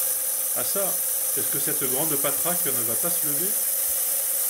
Ah ça ! est-ce que cette grande patraque ne va pas se lever ?